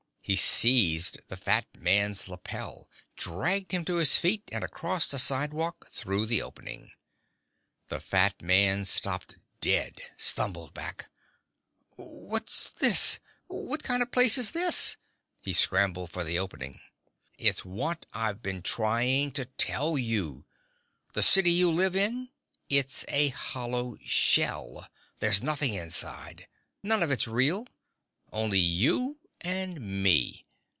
He seized the fat man's lapel, dragged him to his feet and across the sidewalk, through the opening. The fat man stopped dead, stumbled back "What's this? What kind of place is this?" He scrambled for the opening. "It's what I've been trying to tell you. This city you live in it's a hollow shell. There's nothing inside. None of it's real. Only you ... and me.